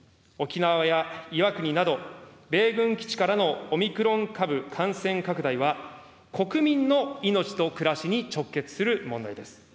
沖縄や岩国など、米軍基地からのオミクロン株感染拡大は、国民の命と暮らしに直結する問題です。